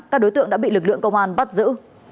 các đối tượng đã bị lực lượng công an bắt giữ